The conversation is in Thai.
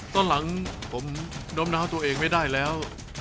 ตอนหลังผมน้มน้าวตัวเองไม่ได้แล้ว